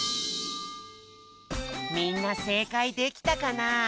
みんなせいかいできたかな？